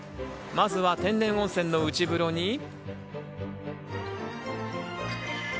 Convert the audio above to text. まずは天然温泉の内風呂に。